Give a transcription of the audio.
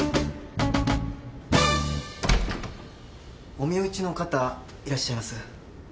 お身内の方いらっしゃいます？